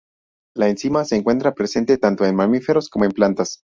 La enzima se encuentra presente tanto en mamíferos como en plantas.